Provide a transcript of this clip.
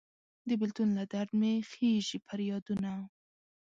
د بیلتون له درد مې خیژي پریادونه